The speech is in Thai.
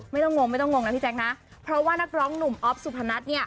งงไม่ต้องงงนะพี่แจ๊คนะเพราะว่านักร้องหนุ่มอ๊อฟสุพนัทเนี่ย